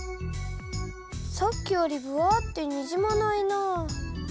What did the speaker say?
さっきよりブワーッてにじまないなあ。